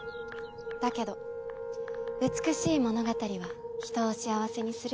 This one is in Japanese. だけど美しい物語は人を幸せにする。